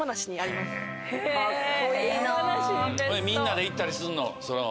みんなで行ったりするの？